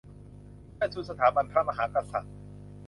เชิดชูสถาบันพระมหากษัตริย์